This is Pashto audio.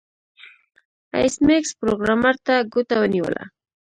ایس میکس پروګرامر ته ګوته ونیوله